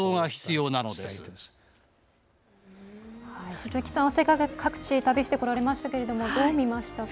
鈴木さんは世界各地旅してこられましたがどう見ましたか。